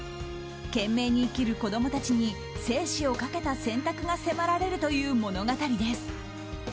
懸命に生きる子供たちに生死をかけた選択が迫られるという物語です。